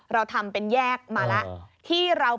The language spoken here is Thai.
เราทำเป็นแยกมาแล้ว